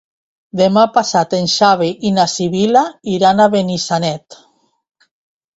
Demà passat en Xavi i na Sibil·la iran a Benissanet.